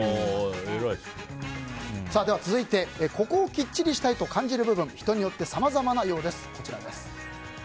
続いて、ここをきっちりしたいと感じる部分人によってさまざまなようです。